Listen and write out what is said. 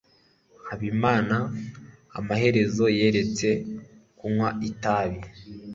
habimana amaherezo yaretse kunywa itabi